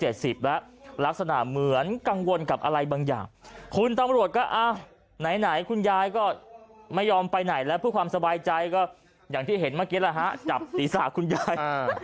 เห็นเมื่อกี้แล้วฮะจับตีศาสตร์คุณยาย